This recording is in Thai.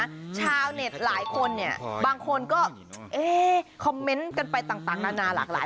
ชาวเน็ตหลายคนเนี่ยบางคนก็เอ๊ะคอมเมนต์กันไปต่างต่างนานาหลากหลาย